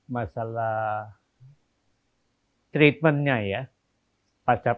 masalah treatmentnya ya